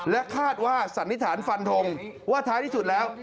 และคาดว่าสันนิษฐานฟันทงว่าท้ายที่สุดแล้ว